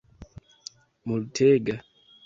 multega